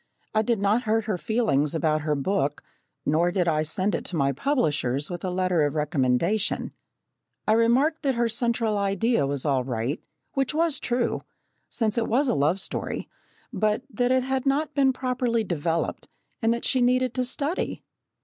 I did not hurt her feelings about her book, nor did I send it to my publishers with a letter of recommendation. I remarked that her central idea was all right, which was true, since it was a love story, but that it had not been properly developed and that she needed to study.